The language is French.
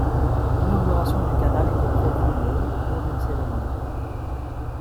L'inauguration du canal était prévu le au cours d'une cérémonie.